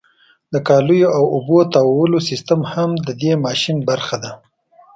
د کالیو او اوبو د تاوولو سیستم هم د دې ماشین برخه ده.